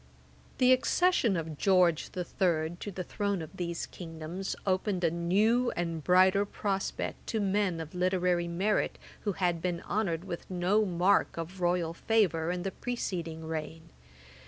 Ætat 53.] The accession of George the Third to the throne of these kingdoms, opened a new and brighter prospect to men of literary merit, who had been honoured with no mark of royal favour in the preceding reign.